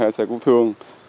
hai xe cung thương